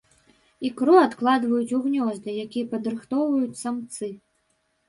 Ікру адкладваюць у гнёзды, якія падрыхтоўваюць самцы.